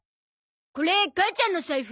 これ母ちゃんの財布？